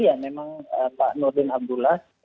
ya memang pak nurdin abdullah